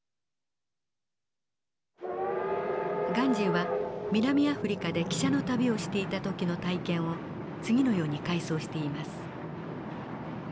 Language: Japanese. ガンジーは南アフリカで汽車の旅をしていた時の体験を次のように回想しています。